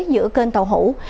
giữa kênh tàu hủ